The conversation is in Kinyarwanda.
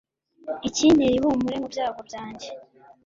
ikintera ihumure mu byago byanjye